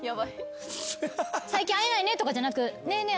最近会えないねとかじゃなく「ねえねえ